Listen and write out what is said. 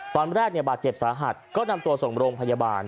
ตอนแรกบาดเจ็บสาหัสก็นำตัวส่งโรงพยาบาล